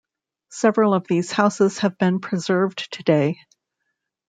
Several of these houses have been preserved today.